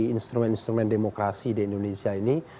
instrumen instrumen demokrasi di indonesia ini